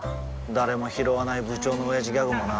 誰もひろわない部長のオヤジギャグもな